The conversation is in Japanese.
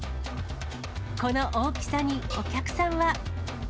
この大きさにお客さんは。